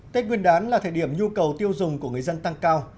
tết nguyên đán là thời điểm nhu cầu tiêu dùng của người dân tăng cao